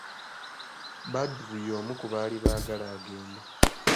Badru y'omu ku baali baagala agende.